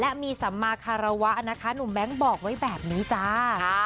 และมีสัมมาคารวะนะคะหนุ่มแบงค์บอกไว้แบบนี้จ้า